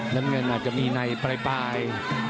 น้ำเงินอาจจะมีในปลาย